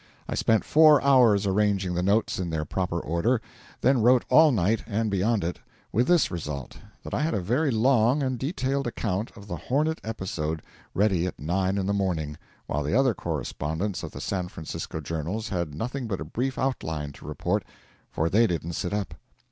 I spent four hours arranging the notes in their proper order, then wrote all night and beyond it; with this result: that I had a very long and detailed account of the 'Hornet' episode ready at nine in the morning, while the other correspondents of the San Francisco journals had nothing but a brief outline report for they didn't sit up.